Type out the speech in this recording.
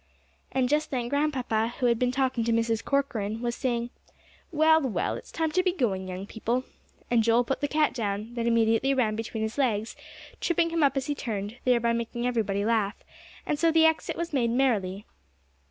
And just then Grandpapa, who had been talking to Mrs. Corcoran, was saying, "Well, well, it's time to be going, young people." And Joel put the cat down, that immediately ran between his legs, tripping him up as he turned, thereby making everybody laugh; and so the exit was made merrily.